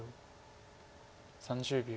３０秒。